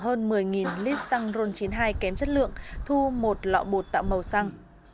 hơn một mươi lít xăng ron chín mươi hai kém chất lượng thu một lọ bột tạo màu xanh